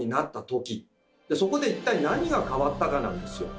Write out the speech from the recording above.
そこで一体何が変わったかなんですよ。